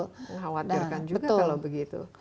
ngehawatirkan juga kalau begitu